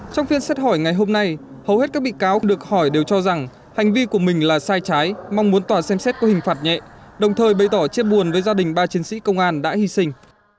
trong phiên xét hỏi ngày hôm nay hầu hết các bị cáo được hỏi đều cho rằng hành vi của mình là sai trái mong muốn tòa xem xét có hình phạt nhẹ đồng thời bày tỏ chia buồn với gia đình ba chiến sĩ công an đã hy sinh